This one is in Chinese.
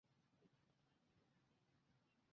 儿子苻馗被封为越侯。